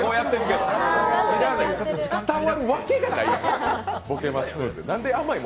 伝わるわけがない。